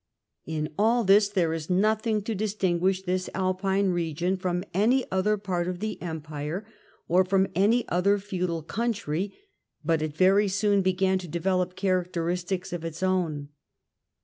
In all this there is nothing to distinguish this Alpine southern region from any other part of the Empire, or from any '^^^'''^ other feudal country, but it very soon began to develop characteristics of its own.